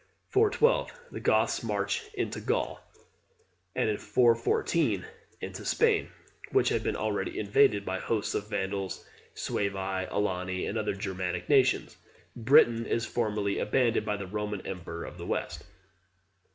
412. The Goths march into Gaul, and in 414 into Spain, which had been already invaded by hosts of Vandals, Suevi, Alani, and other Germanic nations. Britain is formally abandoned by the Roman emperor of the West.